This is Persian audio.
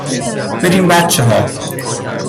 بریم بچه ها